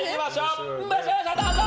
どうぞ！